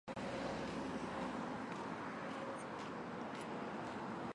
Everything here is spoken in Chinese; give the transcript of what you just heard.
尚育是琉球国第二尚氏王朝的第十八代国王。